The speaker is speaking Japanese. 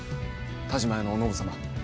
田嶋屋のお信様。